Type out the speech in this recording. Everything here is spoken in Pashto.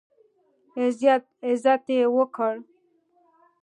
عزت یې وکړ.